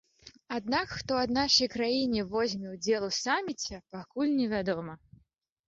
Аднак хто ад нашай краіны возьме ўдзел у саміце, пакуль невядома.